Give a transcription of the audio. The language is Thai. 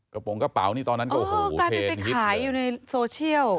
โปรงกระเป๋านี่ตอนนั้นก็โอ้โหกลายเป็นไปขายอยู่ในโซเชียล